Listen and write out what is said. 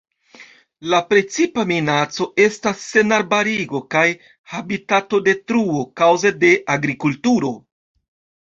La precipa minaco estas senarbarigo kaj habitatodetruo kaŭze de agrikulturo.